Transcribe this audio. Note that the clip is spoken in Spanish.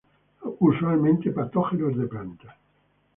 Usualmente patógenos de plantas.